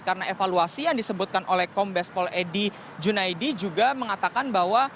karena evaluasi yang disebutkan oleh kombes pol edy junaedi juga mengatakan bahwa